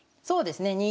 そうですね。